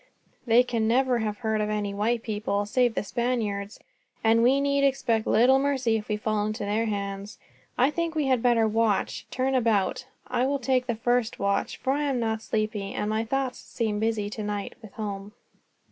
They can never have heard of any white people, save the Spaniards; and we need expect little mercy if we fall into their hands. I think we had better watch, turn about. I will take the first watch, for I am not at all sleepy, and my thoughts seem busy tonight, with home."